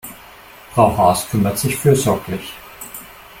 Frau Haas kümmert sich fürsorglich.